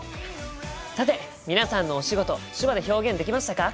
さて皆さんのお仕事手話で表現できましたか？